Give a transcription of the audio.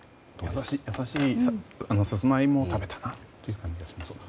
優しい味でサツマイモを食べたなという感じがしますね。